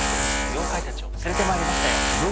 妖怪たちを連れてまいりましたよ。